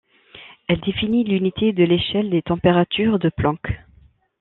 Elle définit l'unité de l'échelle des températures de Planck.